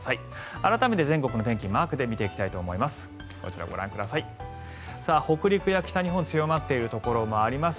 改めて全国の天気マークで見ていきたいと思います。